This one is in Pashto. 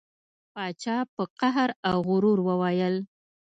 پاچا په قهر او غرور وویل.